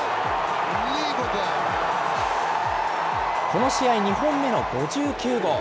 この試合、２本目の５９号。